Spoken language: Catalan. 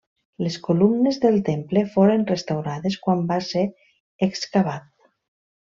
Les columnes del temple foren restaurades quan va ser excavat.